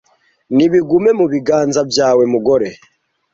nibigume mu biganza byawe mugore